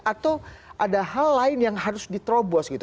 atau ada hal lain yang harus diterobos gitu